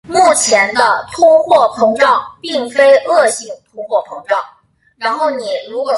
目前的通货膨胀并非恶性通货膨胀。